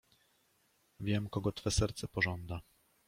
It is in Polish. Wiem, kogo twe serce pożąda.